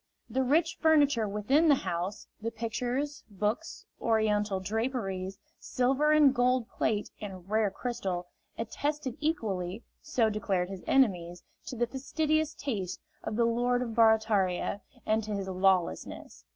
The rich furniture within the house the pictures, books, Oriental draperies, silver and gold plate and rare crystal attested equally so declared his enemies to the fastidious taste of the Lord of Barataria and to his lawlessness.